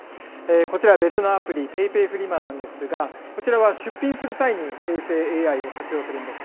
こちら、別のアプリ、ＰａｙＰａｙフリマなんですが、こちらは出品する際に生成ＡＩを活用するんです。